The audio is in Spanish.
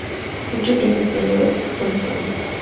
Muchos proyectos fueron llevados a cabo en ese momento.